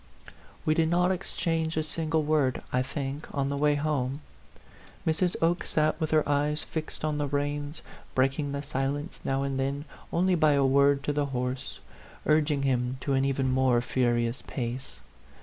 We did not exchange a single word, I think, on the way home. Mrs. Oke sat with her eyes fixed on the reins, breaking the silence now and then only by a word to the horse, urging him to an even more fu rious pace.